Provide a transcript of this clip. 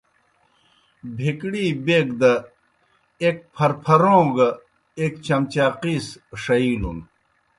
بہکڑی بیک دی ایْک پھرپھروں گہ ایْک چمچاقِیس ݜئِیلُن۔